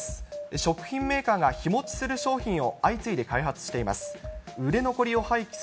食品メーカーが日もちする商品を相次いで開発しています。